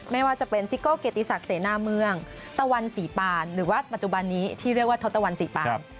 ไม่ว่าจะเป็นซิโก้เกียรติศักดิ์เสนาเมืองตะวันศรีปานหรือว่าปัจจุบันนี้ที่เรียกว่าทศตวรรษีปาน